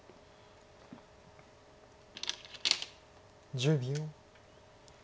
１０秒。